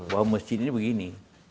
bahwa masjid ini begini